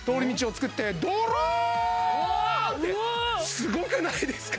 すごくないですか？